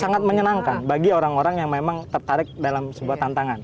sangat menyenangkan bagi orang orang yang memang tertarik dalam sebuah tantangan